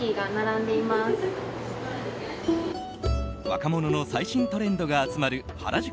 若者の最新トレンドが集まる原宿